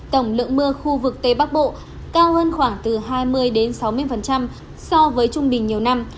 tổng lượng mưa khu vực tây bắc bộ cao hơn khoảng từ hai mươi sáu mươi so với trung bình nhiều năm